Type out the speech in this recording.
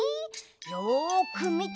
よくみて！